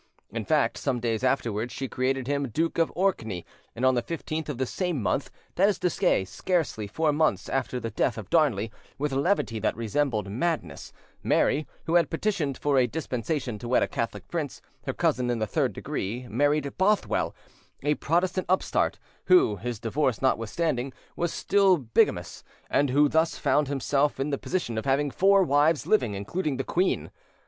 In fact, some days afterwards she created him Duke of Orkney, and on the 15th of the same month—that is to say, scarcely four months after the death of Darnley—with levity that resembled madness, Mary, who had petitioned for a dispensation to wed a Catholic prince, her cousin in the third degree, married Bothwell, a Protestant upstart, who, his divorce notwithstanding, was still bigamous, and who thus found himself in the position of having four wives living, including the queen.